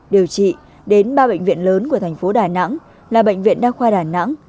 điều trị đến ba bệnh viện lớn của thành phố đà nẵng là bệnh viện đa khoa đà nẵng